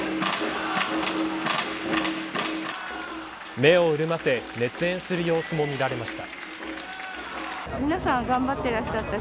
目を潤ませ熱演する様子も見られました。